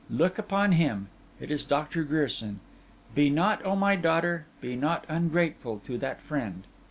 Look upon him: it is Doctor Grierson. Be not, oh my daughter, be not ungrateful to that friend!